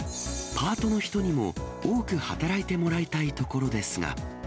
パートの人にも多く働いてもらいたいところですが。